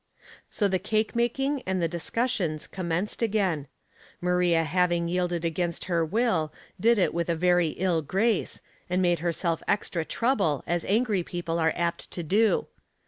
So the cake making and the discussions com menced again. Maria having yielded against her will, did it with a very ill grace, and made her self extra trouble, as angry people are apt to do.